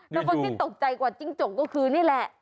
แล้วคนที่ตกใจกว่าจิ้งจกก็คือนี่แหละ